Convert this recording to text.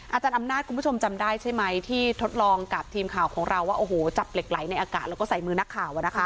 อาจารย์อำนาจคุณผู้ชมจำได้ใช่ไหมที่ทดลองกับทีมข่าวของเราว่าโอ้โหจับเหล็กไหลในอากาศแล้วก็ใส่มือนักข่าว